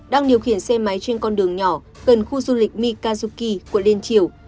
đang điều khiển xe máy trên con đường nhỏ gần khu du lịch mikazuki quận liên triều